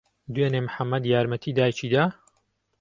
دوێنێ محەممەد یارمەتی دایکی دا؟